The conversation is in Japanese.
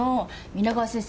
皆川先生